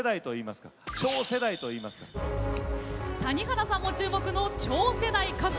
谷原さんも注目の超世代歌手。